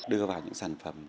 đưa vào những sản phẩm